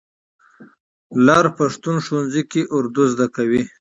لر پښتون ښوونځي کې اردو زده کوي.